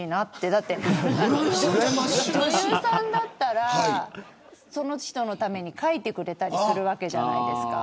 だって女優さんだったらその人のために書いてくれたりするわけじゃないですか。